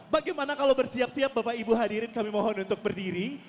bagaimana kalau bersiap siap bapak ibu hadirin kami mohon untuk berdiri